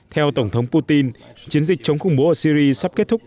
theo tổng thống putin chiến dịch chống khủng bố ở syri sắp kết thúc